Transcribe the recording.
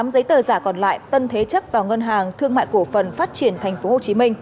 tám giấy tờ giả còn lại tân thế chấp vào ngân hàng thương mại cổ phần phát triển tp hcm